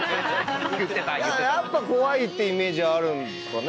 やっぱ怖いっていうイメージあるんですかね？